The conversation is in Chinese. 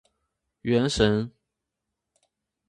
原神